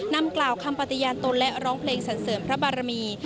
นำกล่าวคำปฏิญาณตนและร้องเพลงสันเสริมพระบารมี